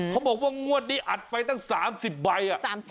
เขาบอกว่างวดนี้อัดไปตั้ง๓๐ใบ